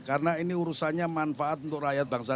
karena ini urusannya manfaat untuk rakyat bangsa